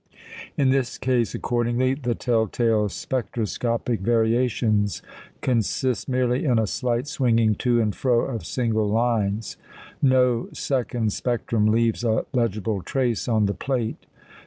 In this case, accordingly, the tell tale spectroscopic variations consist merely in a slight swinging to and fro of single lines. No second spectrum leaves a legible trace on the plate.